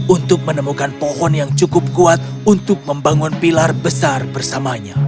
untuk menemukan pohon yang cukup kuat untuk membangun pilar besar bersamanya